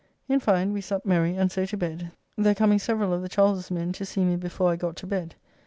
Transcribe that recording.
In fine we supped merry and so to bed, there coming several of the Charles's men to see me before, I got to bed.